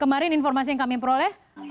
kemarin informasi yang kami peroleh